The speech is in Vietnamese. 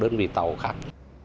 đơn vị tàu khác